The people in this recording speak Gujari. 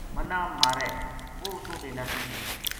مَنا مارے وہ اُتو بے نَس گیو